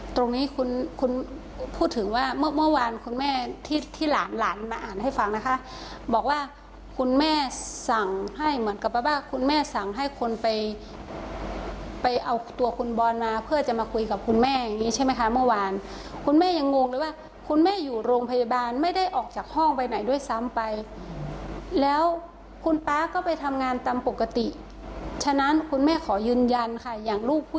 ตรงนี้คุณคุณพูดถึงว่าเมื่อเมื่อวานคุณแม่ที่ที่หลานหลานมาอ่านให้ฟังนะคะบอกว่าคุณแม่สั่งให้เหมือนกับว่าคุณแม่สั่งให้คนไปไปเอาตัวคุณบอลมาเพื่อจะมาคุยกับคุณแม่อย่างนี้ใช่ไหมคะเมื่อวานคุณแม่ยังงงเลยว่าคุณแม่อยู่โรงพยาบาลไม่ได้ออกจากห้องไปไหนด้วยซ้ำไปแล้วคุณป๊าก็ไปทำงานตามปกติฉะนั้นคุณแม่ขอยืนยันค่ะอย่างลูกผู้